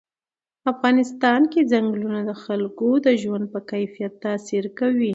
په افغانستان کې چنګلونه د خلکو د ژوند په کیفیت تاثیر کوي.